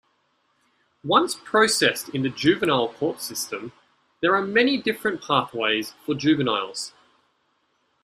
Once processed in the juvenile court system there are many different pathways for juveniles.